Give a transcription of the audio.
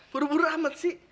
buru buru amat sih